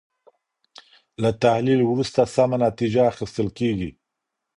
له تحلیل وروسته سمه نتیجه اخیستل کیږي.